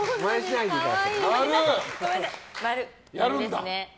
やるんだ。